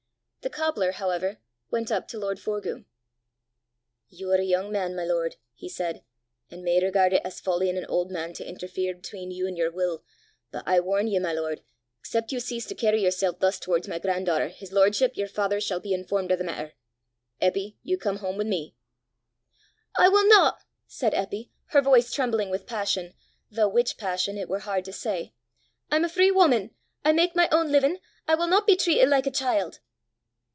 The cobbler, however, went up to lord Forgue. "You're a young man, my lord," he said, "an' may regard it as folly in an auld man to interfere between you an' your wull; but I warn ye, my lord, excep' you cease to carry yourself thus towards my granddaughter, his lordship, your father, shall be informed of the matter. Eppy, you come home with me." "I will not," said Eppy, her voice trembling with passion, though which passion it were hard to say; "I am a free woman. I make my own living. I will not be treated like a child!"